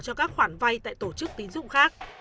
cho các khoản vay tại tổ chức tín dụng khác